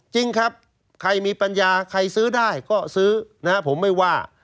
จริงครับใครมีปัญญาใครซื้อได้ก็ซื้อนะครับผมไม่ว่า